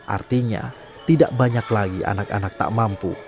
artinya tidak banyak lagi anak anak tak mampu